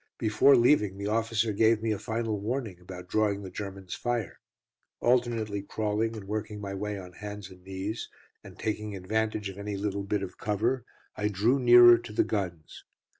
Before leaving, the officer gave me a final warning about drawing the Germans' fire. Alternately crawling and working my way on hands and knees, and taking advantage of any little bit of cover, I drew nearer to the guns.